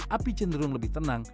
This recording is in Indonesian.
api cenderung lebih tenang